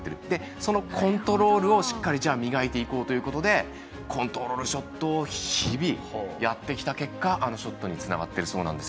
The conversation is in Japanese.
そのコントロールをしっかり磨いていこうということでコントロールショットを日々やってきた結果あのショットにつながっているそうです。